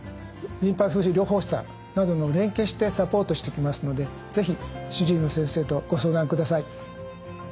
リンパ浮腫療法士さんなど連携してサポートしていきますので是非主治医の先生とご相談ください。